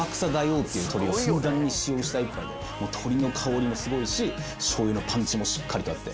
ふんだんに使用した一杯で鶏の香りもすごいししょうゆのパンチもしっかりとあって。